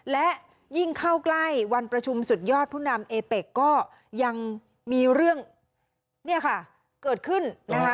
และยิ่งเข้าใกล้วันประชุมสุดยอดผู้นำเอเป็กก็ยังมีเรื่องเนี่ยค่ะเกิดขึ้นนะคะ